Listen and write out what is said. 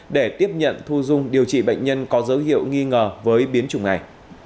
để tiếp nhận thu dung điều trị bệnh nhân có dấu hiệu nghi ngờ với biến chủng này